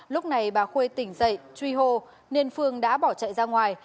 lúc này bà khuê tỉnh dậy truy hô nên phương đã bỏ chạy ra ngoài